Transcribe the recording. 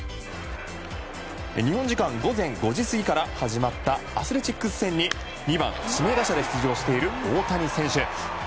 日本時間午前５時過ぎから始まったアスレチックス戦に２番指名打者で出場している大谷選手。